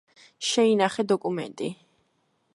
შეინახე დოკუმენტი